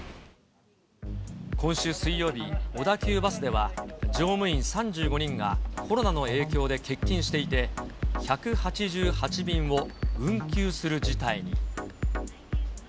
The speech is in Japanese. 今週水曜日、小田急バスでは、乗務員３５人がコロナの影響で欠勤していて、１８８便を運休する事態に。